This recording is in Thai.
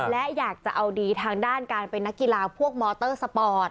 และอยากจะเอาดีทางด้านการเป็นนักกีฬาพวกมอเตอร์สปอร์ต